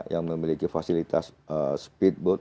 yang memiliki fasilitas speedboat